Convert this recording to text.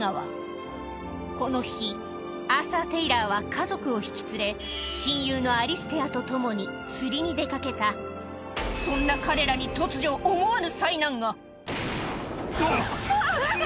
この日アーサー・テイラーは家族を引き連れ親友のアリステアと共に釣りに出掛けたそんな彼らにうわ！